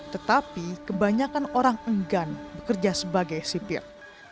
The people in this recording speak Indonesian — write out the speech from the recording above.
tetapi kebanyakan orang enggan bekerja sebagai sipir